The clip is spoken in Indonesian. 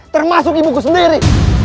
termasuk ibuku sendiri